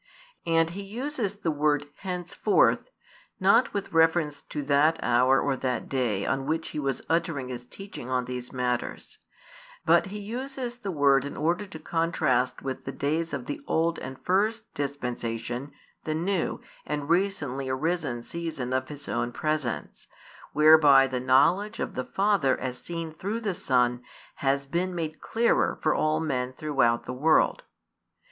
And He uses the word "henceforth," not with |249 reference to that hour or that day on which He was uttering His teaching on these matters: but He uses the word in order to contrast with the days of the old and first dispensation the new and recently arisen season of His own presence, whereby the knowledge of the Father as seen through the Son has been made clearer for all men throughout the world.